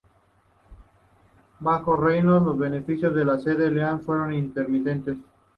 Bajo Reynolds, los beneficios de la Sea-Land fueron intermitentes.